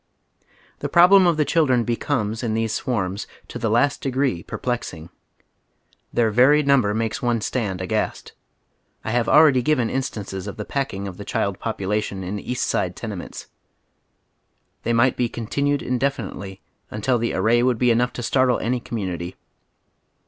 THE problem of tlie children becomes, in theee swarme, to the last degree perplexing. Their very number makes one stand aghast. I have already given instances of the packing of the child population in East Side tenements. They might be continued indefinitely nntil the array would be enough to startle any commonity.